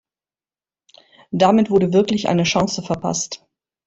Damit wurde wirklich eine Chance verpasst!